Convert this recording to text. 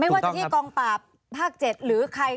ไม่ว่าจะที่กองปราบภาคเจ็ดหรือใครที่มี